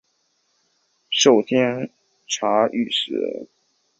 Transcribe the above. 授监察御史。